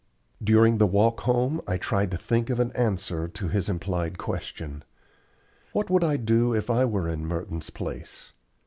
During the walk home I tried to think of an answer to his implied question. What would I do if I were in Merton's place?